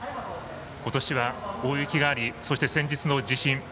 今年は大雪がありそして先日の地震。